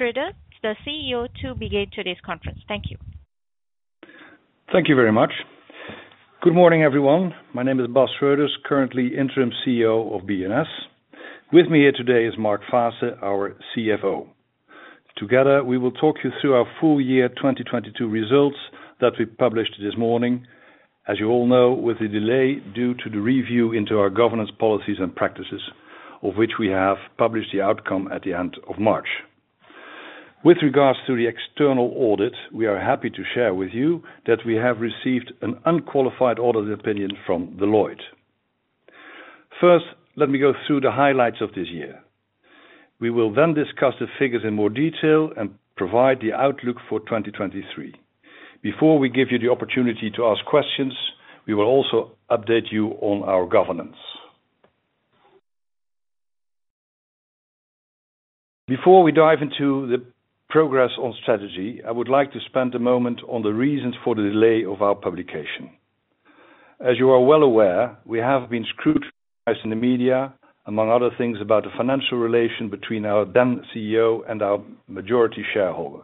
Schreuders, the CEO, to begin today's conference. Thank you. Thank you very much. Good morning, everyone. My name is Bas Schreuders, currently interim CEO of B&S. With me here today is Mark Faasse, our CFO. Together, we will talk you through our full year 2022 results that we published this morning, as you all know, with the delay due to the review into our governance policies and practices, of which we have published the outcome at the end of March. With regards to the external audit, we are happy to share with you that we have received an unqualified audit opinion from Deloitte. First, let me go through the highlights of this year. We will discuss the figures in more detail and provide the outlook for 2023. Before we give you the opportunity to ask questions, we will also update you on our governance. Before we dive into the progress on strategy, I would like to spend a moment on the reasons for the delay of our publication. As you are well aware, we have been scrutinized in the media, among other things, about the financial relation between our then CEO and our majority shareholder.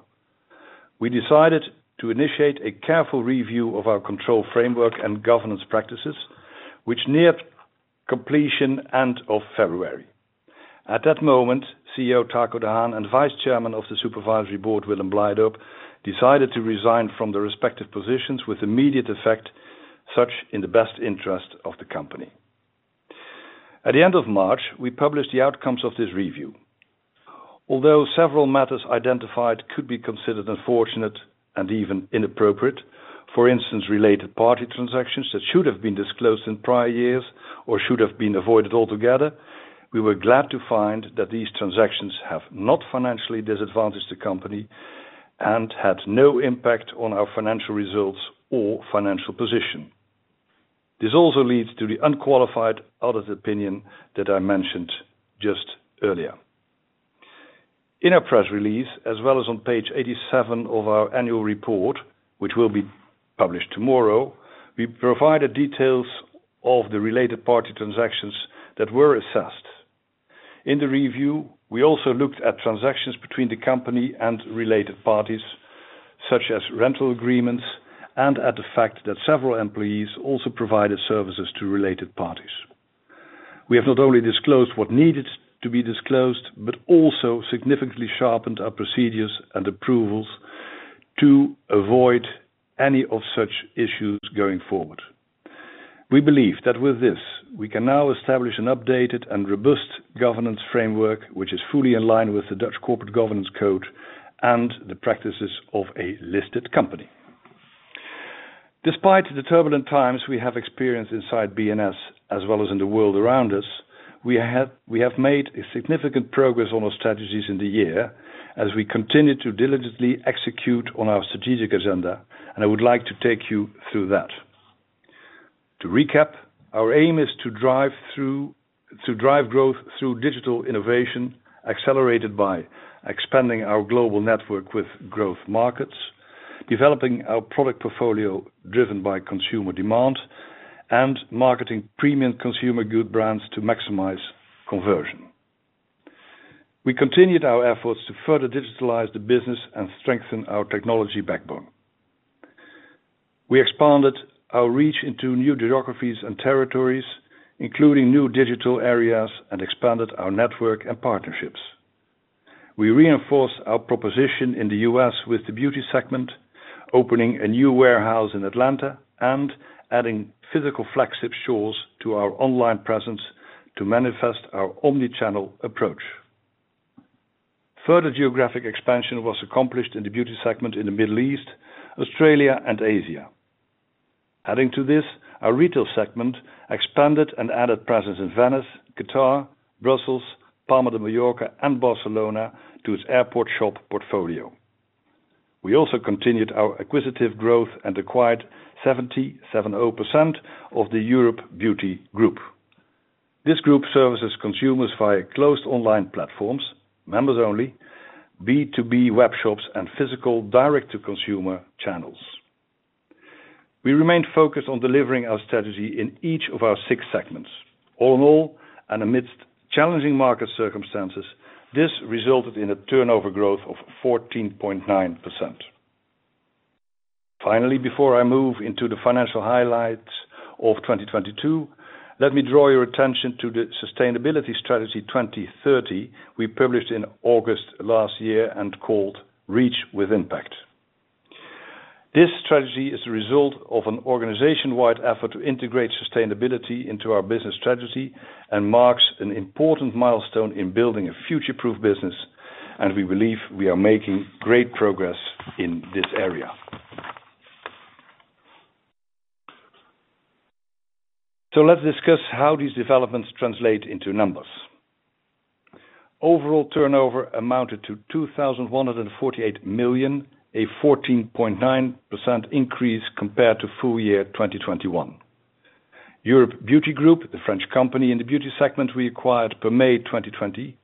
We decided to initiate a careful review of our control framework and governance practices, which neared completion end of February. At that moment, CEO Tako de Haan and Vice Chairman of the Supervisory Board, Willem Blijdorp, decided to resign from the respective positions with immediate effect, such in the best interest of the company. At the end of March, we published the outcomes of this review. Although several matters identified could be considered unfortunate and even inappropriate, for instance, related party transactions that should have been disclosed in prior years or should have been avoided altogether, we were glad to find that these transactions have not financially disadvantaged the company and had no impact on our financial results or financial position. This also leads to the unqualified audit opinion that I mentioned just earlier. In our press release, as well as on page 87 of our annual report, which will be published tomorrow, we provided details of the related party transactions that were assessed. In the review, we also looked at transactions between the company and related parties, such as rental agreements and at the fact that several employees also provided services to related parties. We have not only disclosed what needed to be disclosed, but also significantly sharpened our procedures and approvals to avoid any of such issues going forward. We believe that with this, we can now establish an updated and robust governance framework, which is fully in line with the Dutch Corporate Governance Code and the practices of a listed company. Despite the turbulent times we have experienced inside B&S as well as in the world around us, we have made a significant progress on our strategies in the year as we continue to diligently execute on our strategic agenda, and I would like to take you through that. To recap, our aim is to drive growth through digital innovation, accelerated by expanding our global network with growth markets, developing our product portfolio driven by consumer demand, and marketing premium consumer good brands to maximize conversion. We continued our efforts to further digitalize the business and strengthen our technology backbone. We expanded our reach into new geographies and territories, including new digital areas, and expanded our network and partnerships. We reinforced our proposition in the U.S. with the beauty segment, opening a new warehouse in Atlanta and adding physical flagship stores to our online presence to manifest our omni-channel approach. Further geographic expansion was accomplished in the beauty segment in the Middle East, Australia, and Asia. Adding to this, our retail segment expanded and added presence in Venice, Qatar, Brussels, Palma de Mallorca, and Barcelona to its airport shop portfolio. We also continued our acquisitive growth and acquired 77.0% of the Europe Beauty Group. This group services consumers via closed online platforms, members only, B2B web shops, and physical direct-to-consumer channels. We remain focused on delivering our strategy in each of our six segments. All in all, amidst challenging market circumstances, this resulted in a turnover growth of 14.9%. Finally, before I move into the financial highlights of 2022, let me draw your attention to the Sustainability Strategy 2030 we published in August last year and called Reach with Impact. This strategy is a result of an organization-wide effort to integrate sustainability into our business strategy and marks an important milestone in building a future-proof business. We believe we are making great progress in this area. Let's discuss how these developments translate into numbers. Overall turnover amounted to 2,148 million, a 14.9% increase compared to full year 2021. Europe Beauty Group, the French company in the beauty segment we acquired per May 2020,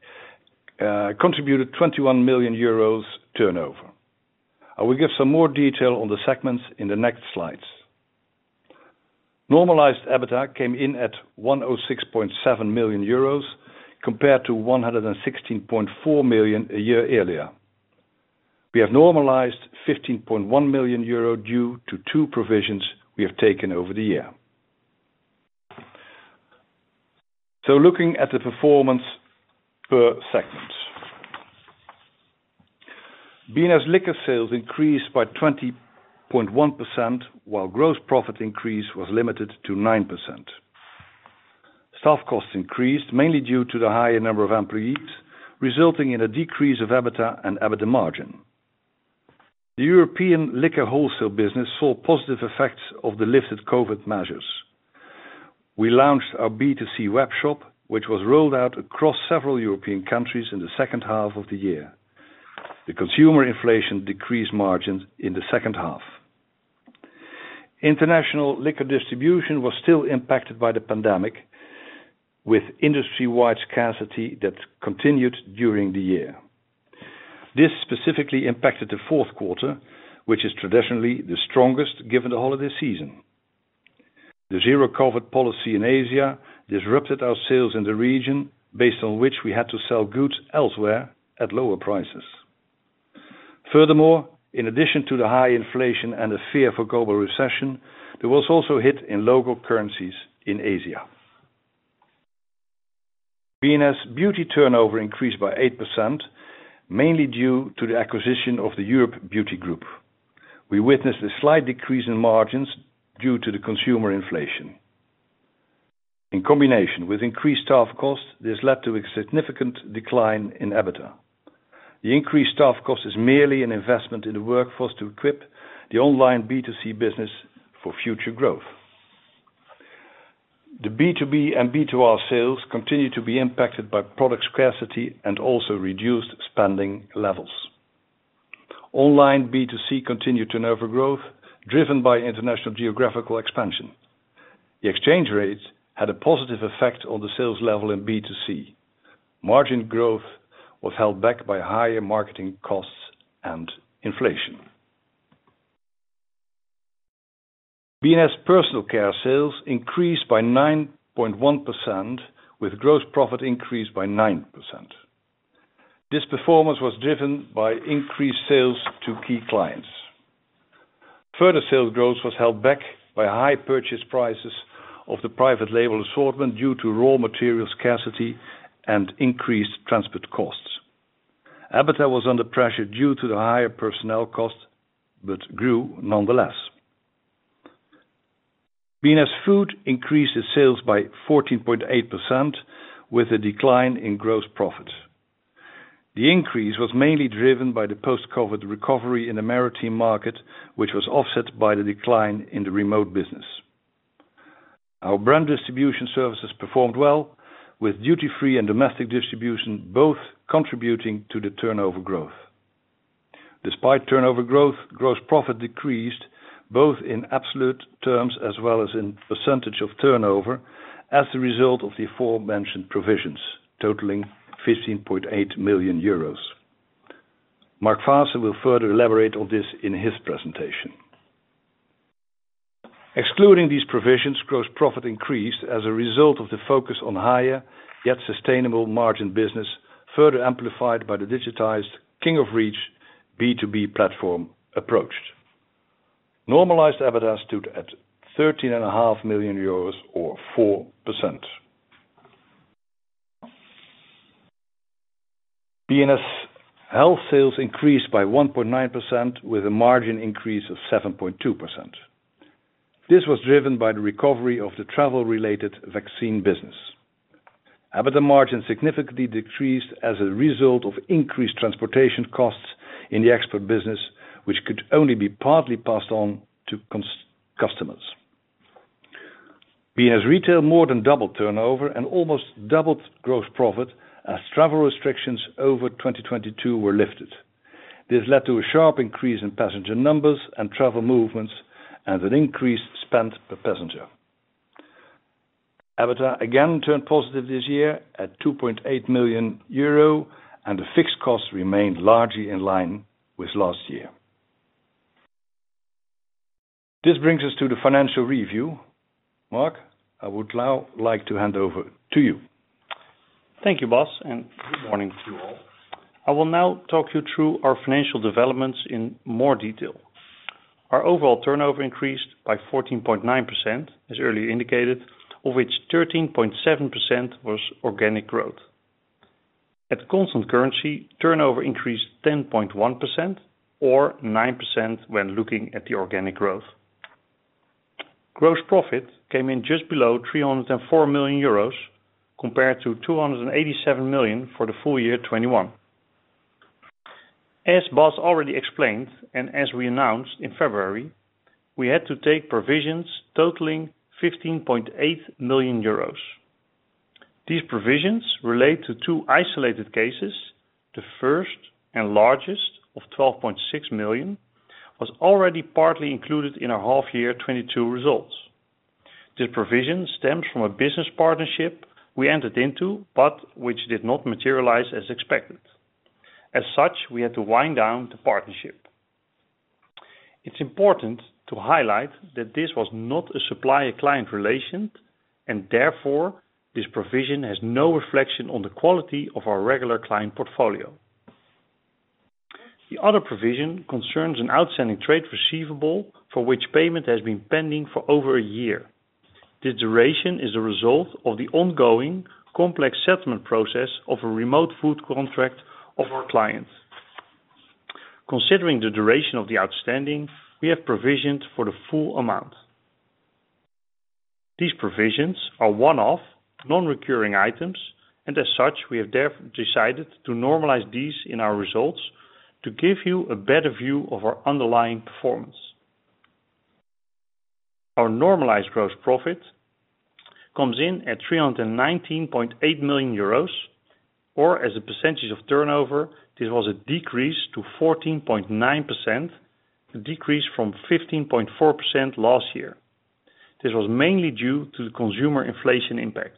contributed 21 million euros turnover. I will give some more detail on the segments in the next slides. Normalized EBITDA came in at 106.7 million euros, compared to 116.4 million a year earlier. We have normalized 15.1 million euro due to two provisions we have taken over the year. Looking at the performance per segment. B&S Liquors sales increased by 20.1%, while gross profit increase was limited to 9%. Staff costs increased, mainly due to the higher number of employees, resulting in a decrease of EBITDA and EBITDA margin. The European liquor wholesale business saw positive effects of the lifted COVID-19 measures. We launched our B2C webshop, which was rolled out across several European countries in the second half of the year. The consumer inflation decreased margins in the second half. International liquor distribution was still impacted by the pandemic, with industry-wide scarcity that continued during the year. This specifically impacted the fourth quarter, which is traditionally the strongest given the holiday season. The zero-COVID policy in Asia disrupted our sales in the region, based on which we had to sell goods elsewhere at lower prices. Furthermore, in addition to the high inflation and the fear for global recession, there was also hit in local currencies in Asia. B&S Beauty turnover increased by 8%, mainly due to the acquisition of the Europe Beauty Group. We witnessed a slight decrease in margins due to the consumer inflation. In combination with increased staff costs, this led to a significant decline in EBITDA. The increased staff cost is merely an investment in the workforce to equip the online B2C business for future growth. The B2B and B2R sales continue to be impacted by product scarcity and also reduced spending levels. Online B2C continued turnover growth, driven by international geographical expansion. The exchange rates had a positive effect on the sales level in B2C. Margin growth was held back by higher marketing costs and inflation. B&S Personal Care sales increased by 9.1%, with gross profit increased by 9%. This performance was driven by increased sales to key clients. Further sales growth was held back by high purchase prices of the private label assortment due to raw material scarcity and increased transport costs. EBITDA was under pressure due to the higher personnel cost, but grew nonetheless. B&S Food increased its sales by 14.8% with a decline in gross profit. The increase was mainly driven by the post-COVID recovery in the maritime market, which was offset by the decline in the remote business. Our brand distribution services performed well, with duty-free and domestic distribution both contributing to the turnover growth. Despite turnover growth, gross profit decreased both in absolute terms as well as in percentage of turnover as a result of the aforementioned provisions, totaling 15.8 million euros. Mark Faasse will further elaborate on this in his presentation. Excluding these provisions, gross profit increased as a result of the focus on higher yet sustainable margin business, further amplified by the digitized King of Reach B2B platform approached. Normalized EBITDA stood at 13.5 million euros or 4%. B&S Health sales increased by 1.9% with a margin increase of 7.2%. This was driven by the recovery of the travel-related vaccine business. EBITDA margin significantly decreased as a result of increased transportation costs in the export business, which could only be partly passed on to customers. B&S Retail more than doubled turnover and almost doubled gross profit as travel restrictions over 2022 were lifted. This led to a sharp increase in passenger numbers and travel movements and an increased spend per passenger. EBITDA again turned positive this year at 2.8 million euro, the fixed costs remained largely in line with last year. This brings us to the financial review. Mark, I would now like to hand over to you. Thank you, Bas, good morning to you all. I will now talk you through our financial developments in more detail. Our overall turnover increased by 14.9%, as earlier indicated, of which 13.7% was organic growth. At constant currency, turnover increased 10.1% or 9% when looking at the organic growth. Gross profit came in just below 304 million euros compared to 287 million for the full year 2021. As Bas already explained, and as we announced in February, we had to take provisions totaling 15.8 million euros. These provisions relate to two isolated cases. The first and largest of 12.6 million was already partly included in our half year 2022 results. This provision stems from a business partnership we entered into, but which did not materialize as expected. As such, we had to wind down the partnership. It's important to highlight that this was not a supplier-client relation, and therefore, this provision has no reflection on the quality of our regular client portfolio. The other provision concerns an outstanding trade receivable for which payment has been pending for over a year. The duration is a result of the ongoing complex settlement process of a remote food contract of our clients. Considering the duration of the outstanding, we have provisioned for the full amount. These provisions are one-off, non-recurring items, and as such, we have therefore decided to normalize these in our results to give you a better view of our underlying performance. Our normalized gross profit comes in at 319.8 million euros, or as a percentage of turnover, this was a decrease to 14.9%, a decrease from 15.4% last year. This was mainly due to the consumer inflation impact.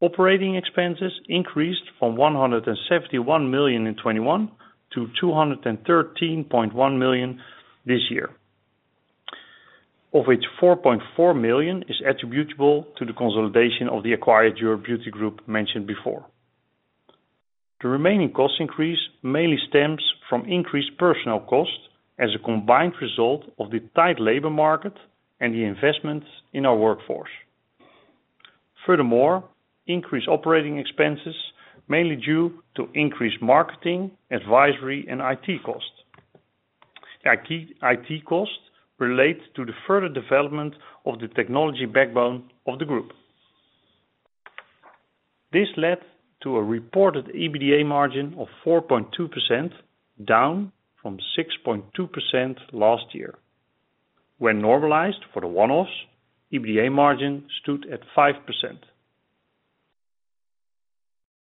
Operating expenses increased from 171 million in 2021, to 213.1 million this year, of which 4.4 million is attributable to the consolidation of the acquired Europe Beauty Group mentioned before. The remaining cost increase mainly stems from increased personnel costs as a combined result of the tight labor market and the investments in our workforce. Furthermore, increased operating expenses, mainly due to increased marketing, advisory, and IT costs. IT costs relate to the further development of the technology backbone of the group. This led to a reported EBITDA margin of 4.2%, down from 6.2% last year. When normalized for the one-offs, EBITDA margin stood at 5%.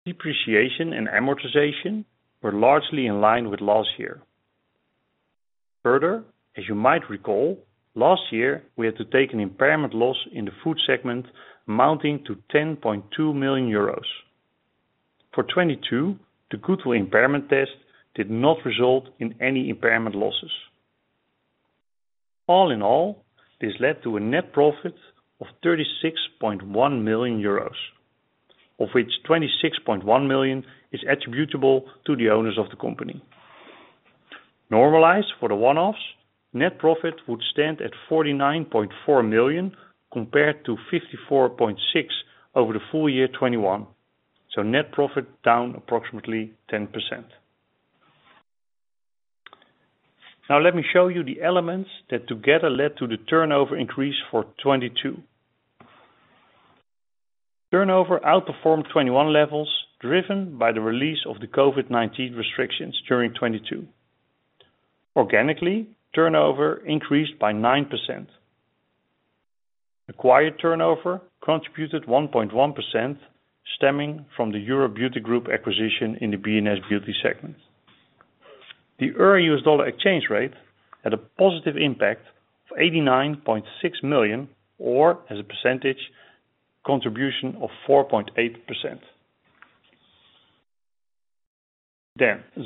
Depreciation and amortization were largely in line with last year. As you might recall, last year, we had to take an impairment loss in the food segment amounting to 10.2 million euros. For 2022, the goodwill impairment test did not result in any impairment losses. All in all, this led to a net profit of 36.1 million euros, of which 26.1 million is attributable to the owners of the company. Normalized for the one-offs, net profit would stand at 49.4 million compared to 54.6 million over the full year 2021. Net profit down approximately 10%. Let me show you the elements that together led to the turnover increase for 2022. Turnover outperformed 2021 levels driven by the release of the COVID-19 restrictions during 2022. Organically, turnover increased by 9%. Acquired turnover contributed 1.1% stemming from the Europe Beauty Group acquisition in the B&S Beauty segment. The Euro-US dollar exchange rate had a positive impact of 89.6 million, or as a percentage, contribution of 4.8%.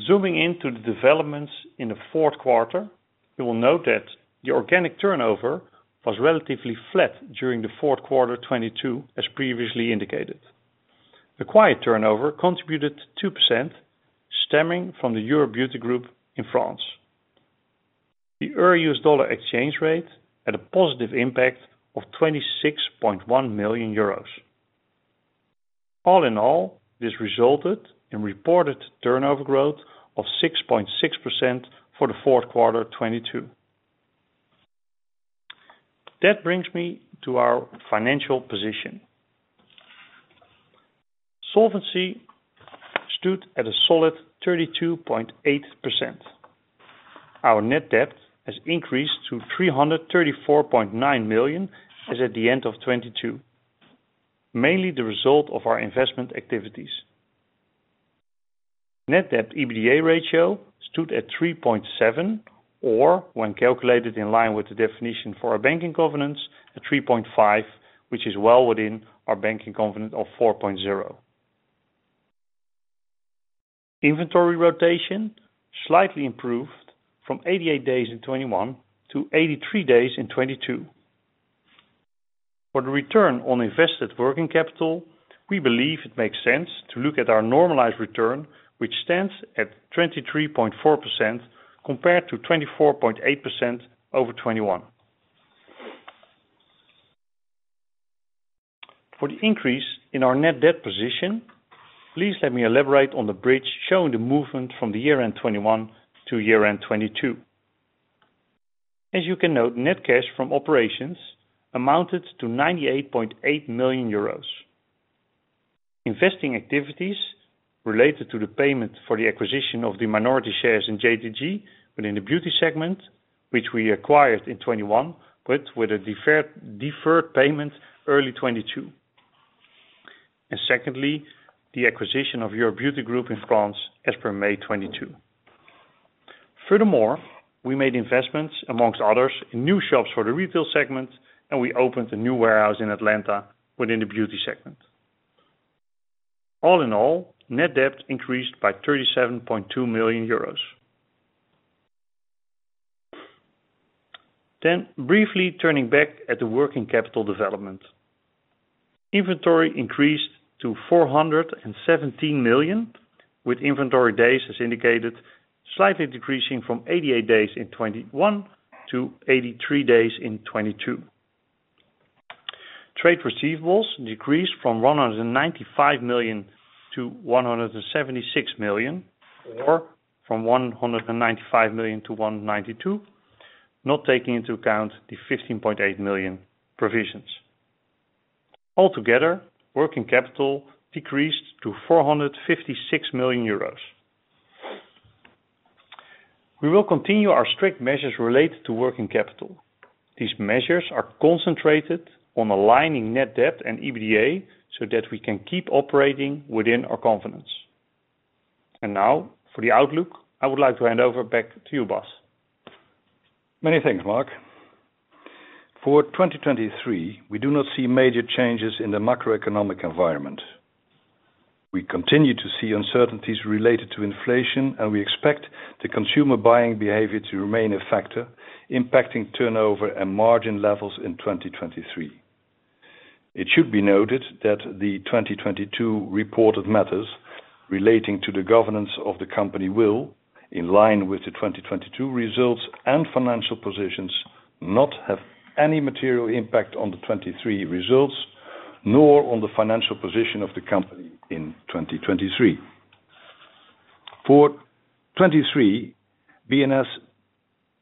Zooming into the developments in the fourth quarter, you will note that the organic turnover was relatively flat during the fourth quarter 2022, as previously indicated. Acquired turnover contributed 2% stemming from the Europe Beauty Group in France. The Euro-U.S. dollar exchange rate had a positive impact of 26.1 million euros. All in all, this resulted in reported turnover growth of 6.6% for the fourth quarter 2022. That brings me to our financial position. Solvency stood at a solid 32.8%. Our net debt has increased to 334.9 million as at the end of 2022, mainly the result of our investment activities. net debt/EBITDA ratio stood at 3.7, or when calculated in line with the definition for our banking covenants, a 3.5, which is well within our banking covenant of 4.0. Inventory rotation slightly improved from 88 days in 2021 to 83 days in 2022. For the Return on Invested Working Capital, we believe it makes sense to look at our normalized return, which stands at 23.4% compared to 24.8% over 2021. For the increase in our net debt position, please let me elaborate on the bridge showing the movement from the year-end 2021 to year-end 2022. As you can note, net cash from operations amounted to 98.8 million euros. Investing activities related to the payment for the acquisition of the minority shares in JTG within the beauty segment, which we acquired in 2021, but with a deferred payment early 2022. Furthermore, we made investments amongst others in new shops for the retail segment, and we opened a new warehouse in Atlanta within the beauty segment. All in all, net debt increased by 37.2 million euros. Briefly turning back at the working capital development. Inventory increased to 417 million, with inventory days as indicated, slightly decreasing from 88 days in 2021 to 83 days in 2022. Trade receivables decreased from 195 million to 176 million, or from 195 million to 192 million, not taking into account the 15.8 million provisions. Altogether, working capital decreased to 456 million euros. We will continue our strict measures related to working capital. These measures are concentrated on aligning net debt and EBITDA so that we can keep operating within our confidence. Now for the outlook, I would like to hand over back to you, Bas. Many thanks, Mark. For 2023, we do not see major changes in the macroeconomic environment. We continue to see uncertainties related to inflation, and we expect the consumer buying behavior to remain a factor impacting turnover and margin levels in 2023. It should be noted that the 2022 reported matters relating to the governance of the company will, in line with the 2022 results and financial positions, not have any material impact on the 2023 results, nor on the financial position of the company in 2023. For 2023, B&S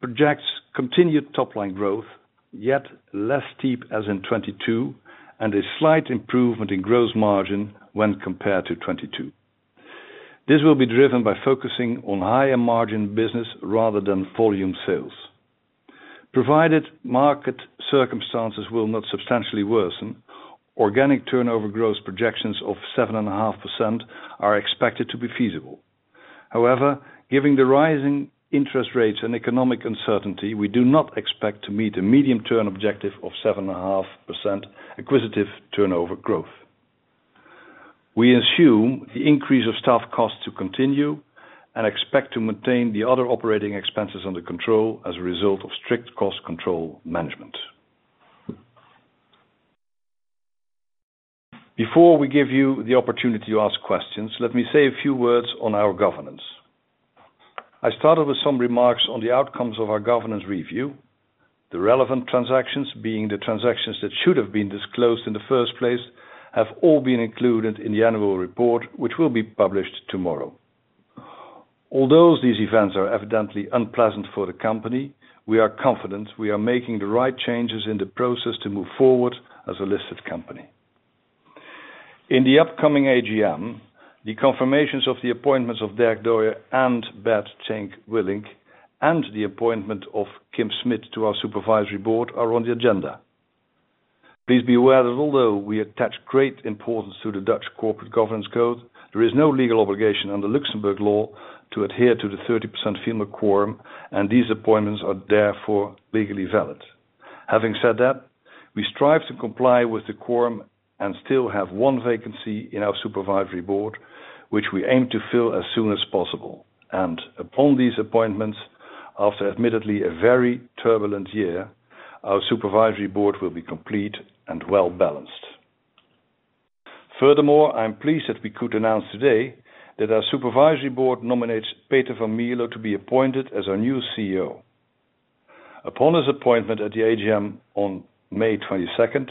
projects continued top line growth, yet less steep as in 2022, and a slight improvement in gross margin when compared to 2022. This will be driven by focusing on higher margin business rather than volume sales. Provided market circumstances will not substantially worsen, organic turnover growth projections of 7.5% are expected to be feasible. However, giving the rising interest rates and economic uncertainty, we do not expect to meet a medium-term objective of 7.5% acquisitive turnover growth. We assume the increase of staff costs to continue and expect to maintain the other operating expenses under control as a result of strict cost control management. Before we give you the opportunity to ask questions, let me say a few words on our governance. I started with some remarks on the outcomes of our governance review. The relevant transactions, being the transactions that should have been disclosed in the first place, have all been included in the annual report, which will be published tomorrow. Although these events are evidently unpleasant for the company, we are confident we are making the right changes in the process to move forward as a listed company. In the upcoming AGM, the confirmations of the appointments of Derk Doijer and Bert Tjeenk Willink and the appointment of Kim Smit to our supervisory board are on the agenda. Please be aware that although we attach great importance to the Dutch Corporate Governance Code, there is no legal obligation under Luxembourg law to adhere to the 30% female quorum, and these appointments are therefore legally valid. Having said that, we strive to comply with the quorum and still have one vacancy in our supervisory board, which we aim to fill as soon as possible. Upon these appointments, after admittedly a very turbulent year, our supervisory board will be complete and well-balanced. I'm pleased that we could announce today that our Supervisory Board nominates Peter van Mierlo to be appointed as our new CEO. Upon his appointment at the AGM on May 22nd,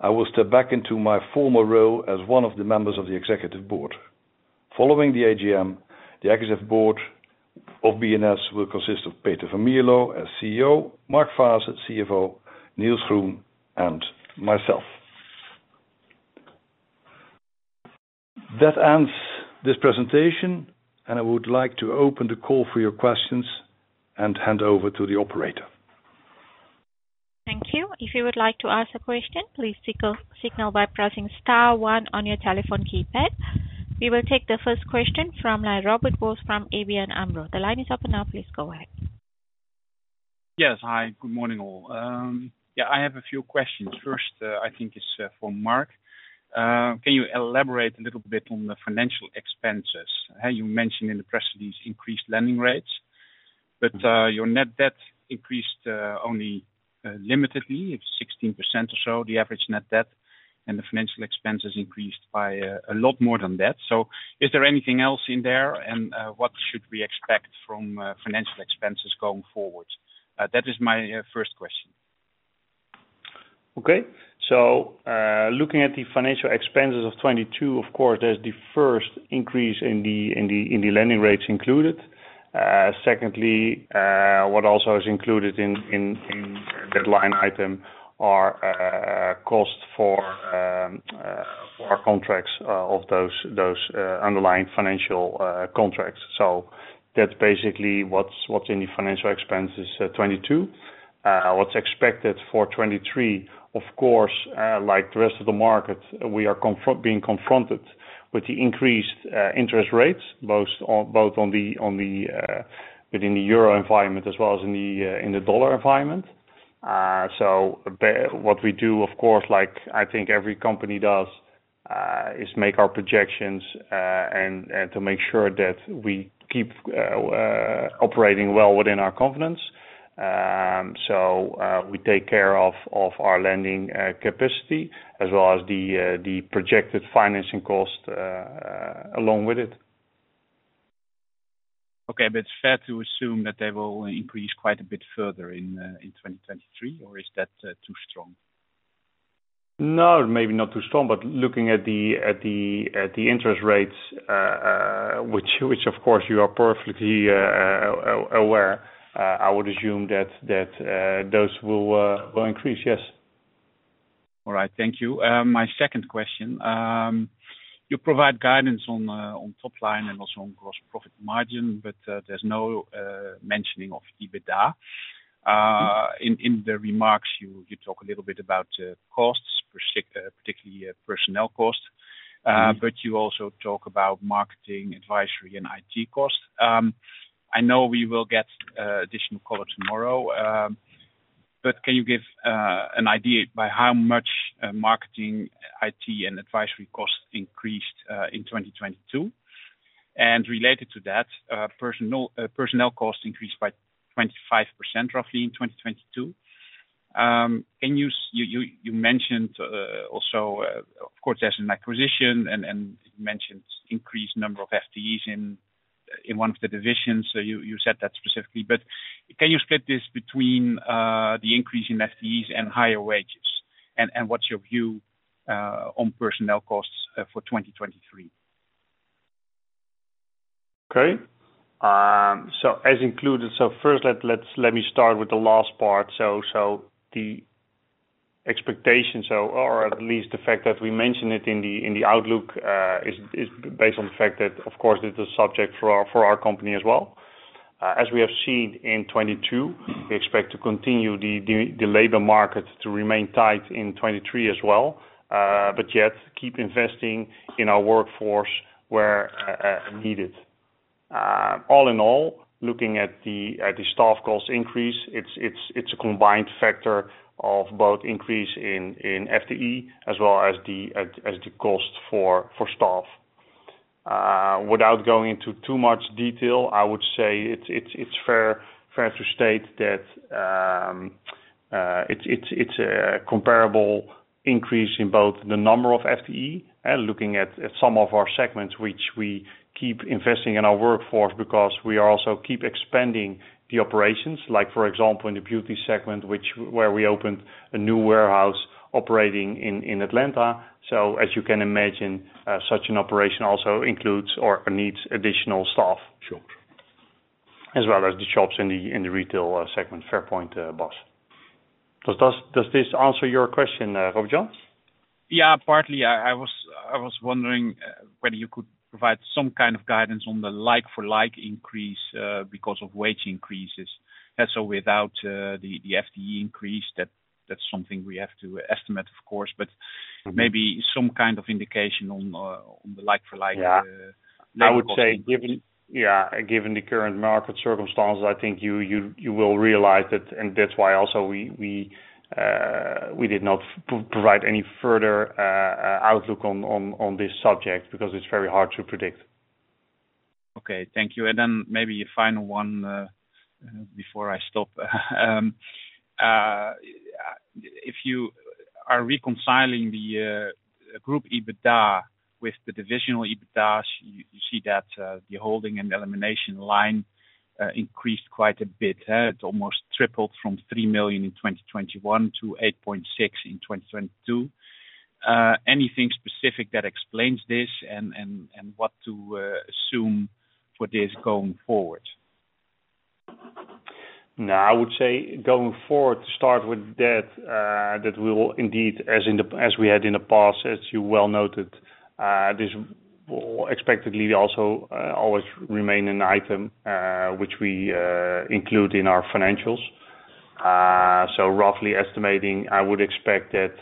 I will step back into my former role as one of the members of the Executive Board. Following the AGM, the Executive Board of B&S will consist of Peter van Mierlo as CEO, Mark Faasse as CFO, Niels Groen, and myself. That ends this presentation. I would like to open the call for your questions and hand over to the operator. Thank you. If you would like to ask a question, please signal by pressing star one on your telephone keypad. We will take the first question from Robert-Jan Vos from ABN AMRO. The line is open now. Please go ahead. Yes. Hi, good morning, all. I have a few questions. First, I think it's for Mark. Can you elaborate a little bit on the financial expenses? As you mentioned in the press release, increased lending rates, your net debt increased only limitedly, it's 16% or so, the average net debt, the financial expenses increased by a lot more than that. Is there anything else in there? What should we expect from financial expenses going forward? That is my first question. Okay. Looking at the financial expenses of 2022, of course, there's the first increase in the lending rates included. Secondly, what also is included in that line item are costs for our contracts of those underlying financial contracts. That's basically what's in the financial expenses, 2022. What's expected for 2023, of course, like the rest of the market, we are being confronted with the increased interest rates, both on the within the Euro environment as well as in the dollar environment. What we do, of course, like I think every company does, is make our projections, and to make sure that we keep operating well within our confidence. We take care of our lending capacity as well as the projected financing cost along with it. Okay, it's fair to assume that they will increase quite a bit further in 2023, or is that too strong? Maybe not too strong, but looking at the interest rates, which of course you are perfectly aware, I would assume that those will increase, yes. All right. Thank you. My second question. You provide guidance on top line and also on gross profit margin, but there's no mentioning of EBITDA. In the remarks you talk a little bit about costs, particularly personnel costs, but you also talk about marketing, advisory, and IT costs. I know we will get additional color tomorrow, but can you give an idea by how much marketing, IT, and advisory costs increased in 2022? Related to that, personnel costs increased by 25% roughly in 2022. You mentioned also, of course there's an acquisition and you mentioned increased number of FTEs in one of the divisions. You said that specifically. Can you split this between the increase in FTEs and higher wages? And, and what's your view on personnel costs for 2023? Okay. As included. First let me start with the last part. The expectations or at least the fact that we mention it in the outlook is based on the fact that, of course, it's a subject for our company as well. As we have seen in 2022, we expect to continue the labor market to remain tight in 2023 as well, yet keep investing in our workforce where needed. All in all, looking at the staff cost increase, it's a combined factor of both increase in FTE as well as the cost for staff. Without going into too much detail, I would say it's fair to state that it's a comparable increase in both the number of FTE and looking at some of our segments which we keep investing in our workforce because we also keep expanding the operations. Like for example, in the beauty segment where we opened a new warehouse operating in Atlanta. As you can imagine, such an operation also includes or needs additional staff. Sure. As well as the shops in the retail segment. Fair point, Bas. Does this answer your question, Robert-Jan? Yeah, partly. I was wondering whether you could provide some kind of guidance on the like for like increase because of wage increases. Without the FTE increase, that's something we have to estimate, of course. Maybe some kind of indication on the like for like. Yeah. I would say given the current market circumstances, I think you will realize it. That's why also we did not provide any further outlook on this subject because it's very hard to predict. Okay, thank you. Then maybe a final one before I stop. If you are reconciling the Group EBITDA with the divisional EBITDA, you see that the holding and elimination line increased quite a bit. It almost tripled from 3 million in 2021 to 8.6 million in 2022. Anything specific that explains this and what to assume for this going forward? I would say going forward, to start with that will indeed, as we had in the past, as you well noted, this expectedly also always remain an item which we include in our financials. Roughly estimating, I would expect that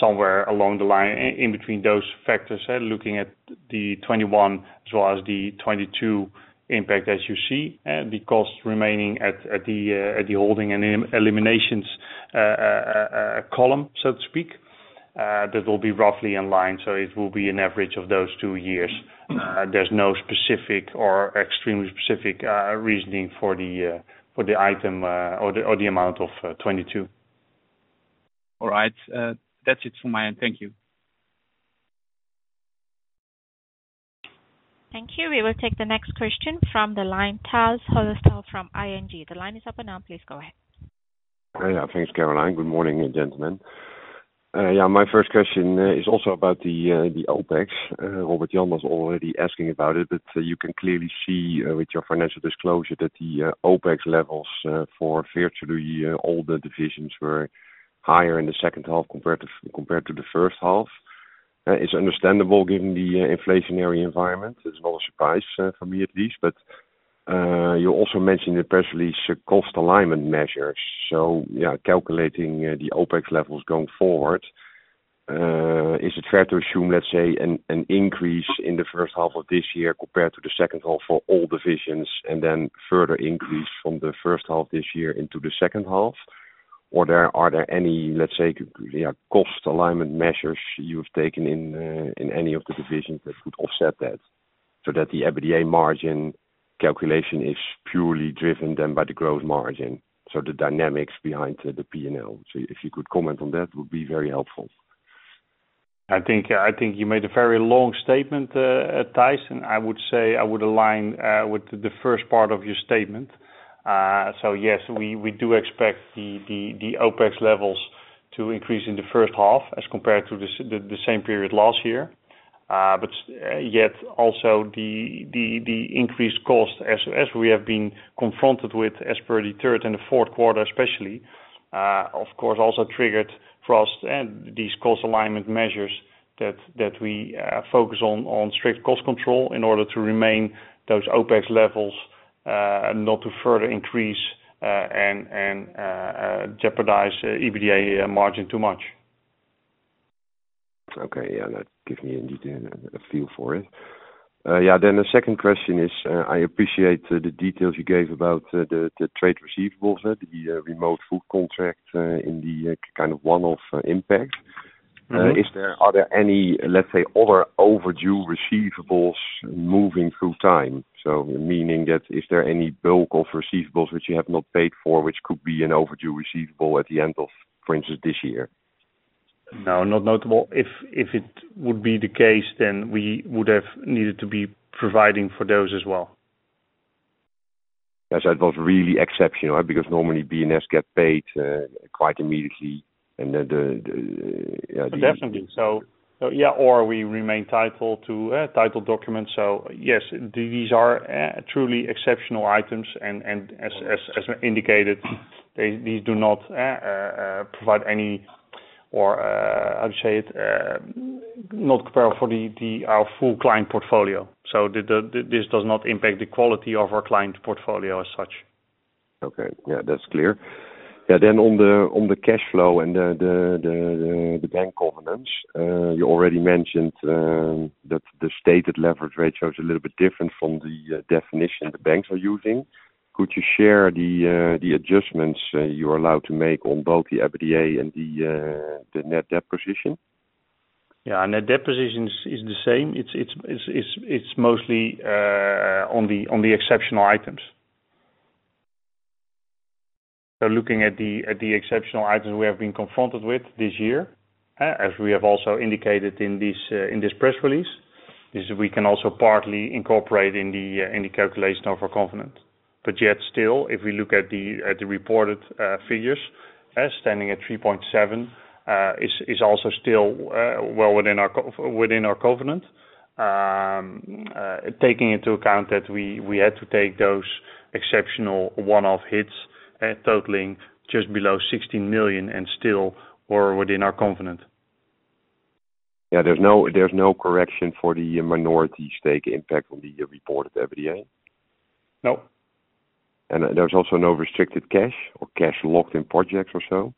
somewhere along the line in between those factors, looking at the 2021 as well as the 2022 impact as you see, the costs remaining at the holding and eliminations column, so to speak, that will be roughly in line. It will be an average of those two years. There's no specific or extremely specific reasoning for the item or the amount of 2022. All right. That's it from my end. Thank you. Thank you. We will take the next question from the line, Tijs Hollestelle from ING. The line is open now. Please go ahead. Thanks, Caroline. Good morning, gentlemen. My first question is also about the OpEx. Robert Jan was already asking about it, but you can clearly see with your financial disclosure that the OpEx levels for virtually all the divisions were higher in the second half compared to the first half. It's understandable given the inflationary environment. It's not a surprise, for me at least. You also mentioned in the press release cost alignment measures. Calculating the OpEx levels going forward, is it fair to assume, let's say, an increase in the first half of this year compared to the second half for all divisions and then further increase from the first half of this year into the second half? Are there any, let's say, cost alignment measures you've taken in any of the divisions that would offset that so that the EBITDA margin calculation is purely driven then by the growth margin, so the dynamics behind the P&L? If you could comment on that, it would be very helpful. I think you made a very long statement, Tijs. I would say I would align with the first part of your statement. Yes, we do expect the OpEx levels to increase in the first half as compared to the same period last year. Yet also the increased cost as we have been confronted with as per the third and the fourth quarter, especially, of course, also triggered for us and these cost alignment measures that we focus on strict cost control in order to remain those OpEx levels not to further increase and jeopardize EBITDA margin too much. Okay. Yeah, that gives me indeed a feel for it. The second question is, I appreciate the details you gave about the trade receivables, the remote food contract, in the kind of one-off impact. Mm-hmm. Are there any, let's say, other overdue receivables moving through time? Meaning that, is there any bulk of receivables which you have not paid for, which could be an overdue receivable at the end of, for instance, this year? No, not notable. If it would be the case, then we would have needed to be providing for those as well. That was really exceptional because normally B&S get paid quite immediately. Definitely. Yeah, or we remain titled to title documents. Yes, these are truly exceptional items. As indicated, they, these do not provide any or how to say it, not compare for our full client portfolio. This does not impact the quality of our client portfolio as such.1818 Okay. Yeah, that's clear. On the, on the cash flow and the bank covenants, you already mentioned that the stated leverage ratio is a little bit different from the definition the banks are using. Could you share the adjustments you're allowed to make on both the EBITDA and the net debt position? Yeah. Net debt position is the same. It's mostly on the exceptional items. Looking at the exceptional items we have been confronted with this year, as we have also indicated in this press release, is we can also partly incorporate in the calculation of our covenant. Yet still, if we look at the reported figures as standing at 3.7 is also still well within our covenant. Taking into account that we had to take those exceptional one-off hits, totaling just below 16 million and still were within our covenant. Yeah. There's no correction for the minority stake impact on the reported EBITDA? No. There's also no restricted cash or cash locked in projects or so?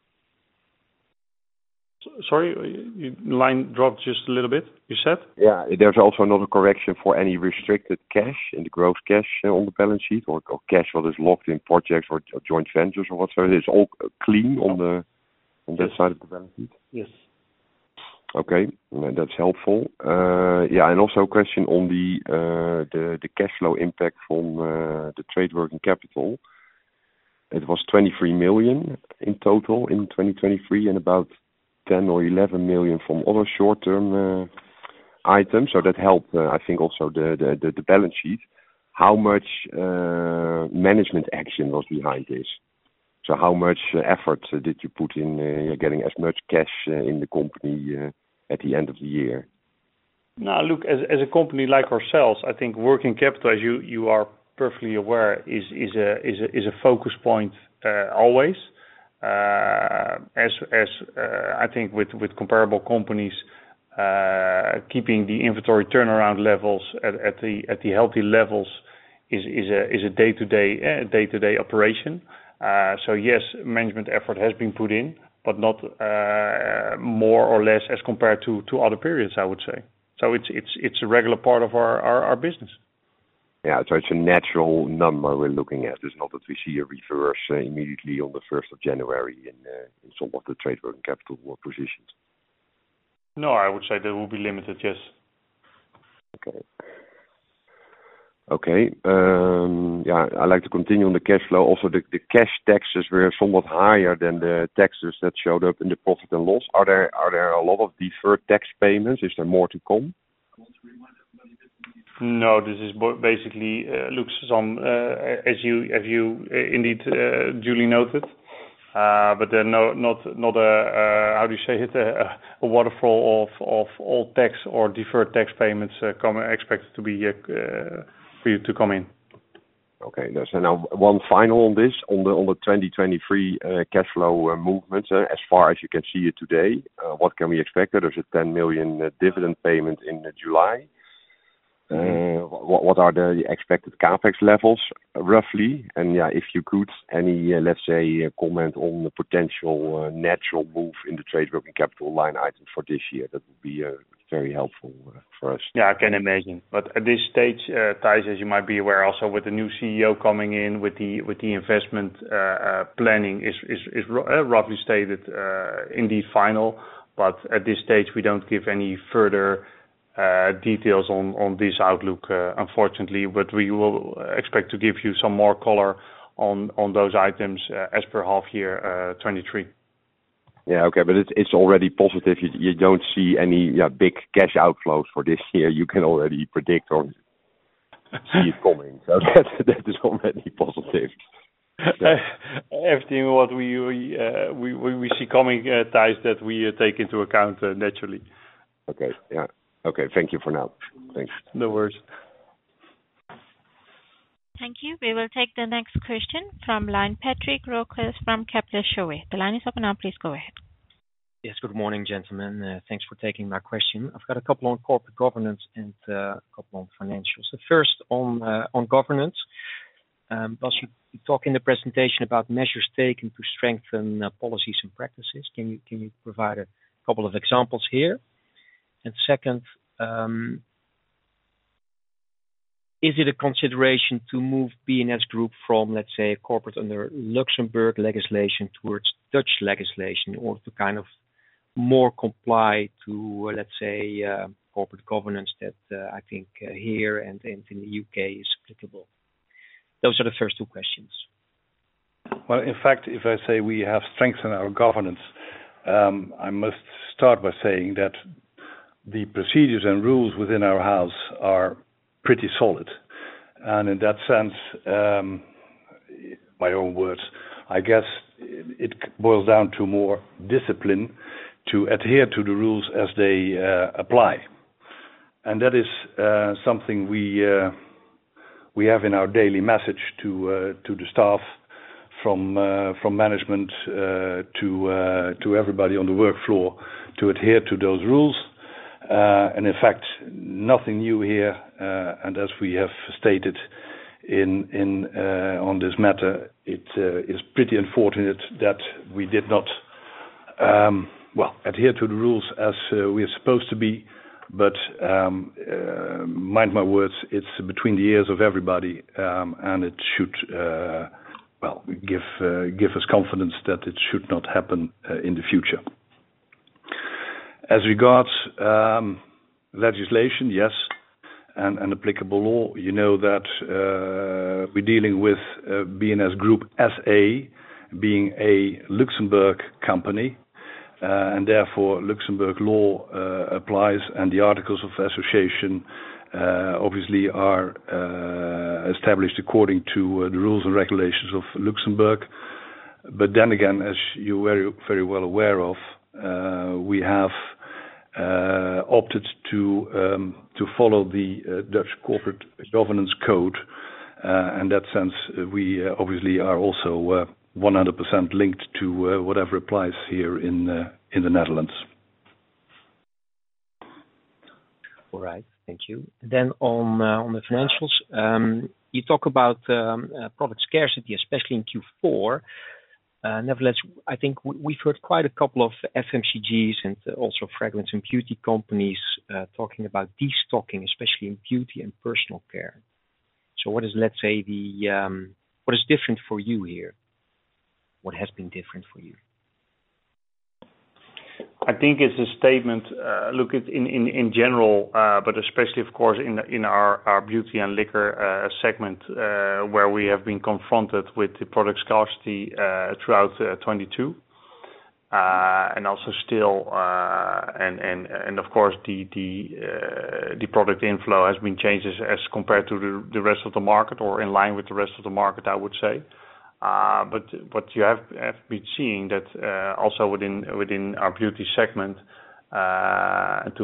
Sorry, your line dropped just a little bit. You said? Yeah. There's also another correction for any restricted cash in the gross cash on the balance sheet or cash that is locked in projects or joint ventures or whatsoever. It's all clean on the, on that side of the balance sheet? Yes. Okay. That's helpful. Also a question on the cash flow impact from the trade working capital. It was 23 million in total in 2023 and about 10 million or 11 million from other short-term items. That helped, I think, also the balance sheet. How much management action was behind this? How much effort did you put in getting as much cash in the company at the end of the year? Now, look, as a company like ourselves, I think working capital, as you are perfectly aware, is a focus point, always. As I think with comparable companies, keeping the inventory turnaround levels at the healthy levels is a day-to-day operation. Yes, management effort has been put in, but not more or less as compared to other periods, I would say. It's a regular part of our business. Yeah. It's a natural number we're looking at. It's not that we see a reverse immediately on the first of January in some of the trade working capital positions. No, I would say that will be limited, yes. Okay. Okay, yeah, I'd like to continue on the cash flow. Also, the cash taxes were somewhat higher than the taxes that showed up in the profit and loss. Are there a lot of deferred tax payments? Is there more to come? No, this is basically looks on, as you indeed duly noted. No, not a, how do you say it? A waterfall of all tax or deferred tax payments expected to be for you to come in. Okay. Now one final on this, on the, on the 2023 cash flow movements, as far as you can see it today, what can we expect? There's a 10 million dividend payment in July. What are the expected CapEx levels roughly? Yeah, if you could, any, let's say, comment on the potential natural move in the trade working capital line item for this year, that would be very helpful for us. Yeah, I can imagine. At this stage, Tijs, as you might be aware also with the new CEO coming in with the, with the investment, planning is, is roughly stated, in the final. At this stage, we don't give any further details on this outlook, unfortunately. We will expect to give you some more color on those items, as per half year, 2023. Yeah. Okay. It's already positive. You don't see any big cash outflows for this year. You can already predict or see it coming. That is already positive. Everything what we see coming, Thais, that we take into account naturally. Okay. Yeah. Okay. Thank you for now. Thanks. No worries. Thank you. We will take the next question from line, Patrick Roquas from Kepler Cheuvreux. The line is open now. Please go ahead. Yes. Good morning, gentlemen. Thanks for taking my question. I've got a couple on corporate governance and a couple on financials. First on governance, Bas, you talk in the presentation about measures taken to strengthen policies and practices. Can you provide a couple of examples here? Second, is it a consideration to move B&S Group from, let's say, corporate under Luxembourg legislation towards Dutch legislation or to kind of more comply to, let's say, corporate governance that I think here and in the U.K. is applicable? Those are the first two questions. Well, in fact, if I say we have strengthened our governance, I must start by saying that the procedures and rules within our house are pretty solid. In that sense, my own words, I guess it boils down to more discipline to adhere to the rules as they apply. That is something we have in our daily message to the staff from management to everybody on the work floor to adhere to those rules. In fact, nothing new here, and as we have stated in on this matter, it is pretty unfortunate that we did not, well, adhere to the rules as we are supposed to be. ation, yes, and applicable law, you know that we are dealing with B&S Group S.A. being a Luxembourg company, and therefore, Luxembourg law applies and the articles of association obviously are established according to the rules and regulations of Luxembourg. Then again, as you are very, very well aware of, we have opted to follow the Dutch Corporate Governance Code. In that sense, we obviously are also 100% linked to whatever applies here in the Netherlands All right. Thank you. On the financials, you talk about product scarcity, especially in Q4. Nevertheless, I think we've heard quite a couple of FMCGs and also fragrance and beauty companies talking about destocking, especially in beauty and personal care. What is, let's say, the, what is different for you here? What has been different for you? I think it's a statement, look at in general, but especially of course, in our Beauty and Liquor segment, where we have been confronted with the product scarcity throughout 2022. Also still, and of course, the product inflow has been changed as compared to the rest of the market or in line with the rest of the market, I would say. But you have been seeing that also within our Beauty segment, to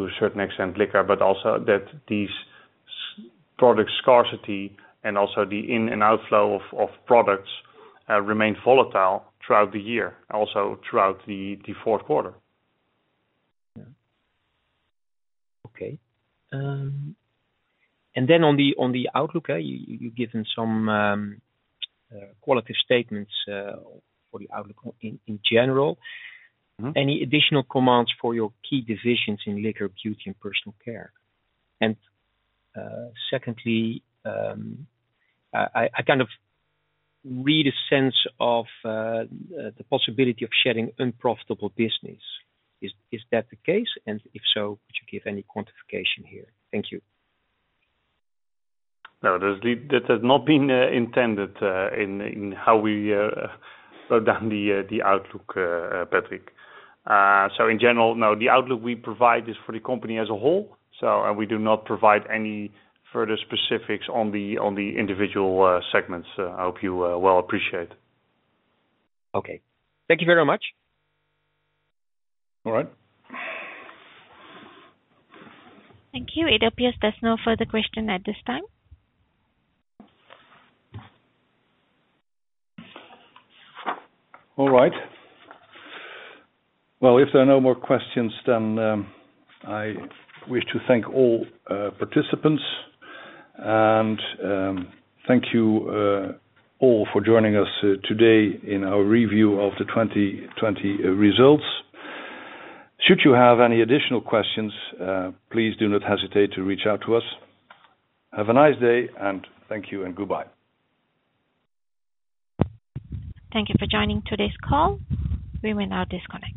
a certain extent, Liquor, but also that these product scarcity and also the in and outflow of products remain volatile throughout the year, also throughout the fourth quarter. Yeah. Okay. On the, on the outlook, you've given some qualitative statements for the outlook in general. Mm-hmm. Any additional commands for your key divisions in liquor, beauty, and personal care? Secondly, I kind of read a sense of the possibility of shedding unprofitable business. Is that the case? If so, would you give any quantification here? Thank you. No, that's the. That has not been intended in how we slow down the outlook, Patrick. In general, no, the outlook we provide is for the company as a whole. We do not provide any further specifics on the individual segments. I hope you well appreciate. Okay. Thank you very much. All right. Thank you. AWS, there's no further question at this time. All right. Well, if there are no more questions, I wish to thank all participants. Thank you all for joining us today in our review of the 2020 results. Should you have any additional questions, please do not hesitate to reach out to us. Have a nice day, thank you and goodbye. Thank you for joining today's call. We will now disconnect.